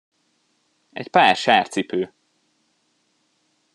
Egy pár sárcipő!